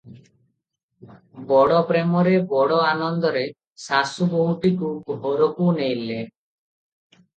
ବଡ଼ ପ୍ରେମରେ, ବଡ ଆନନ୍ଦରେ ଶାଶୁ ବୋହୂଟିକୁ ଘରକୁ ନେଲେ ।